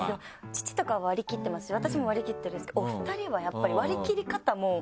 父とかは割り切ってますし私も割り切ってるんですけどお二人はやっぱり。